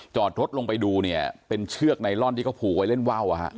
จอดรถลงไปดูเนี่ยเป็นเชือกไนลอนที่เขาผูกไว้เล่นว่าว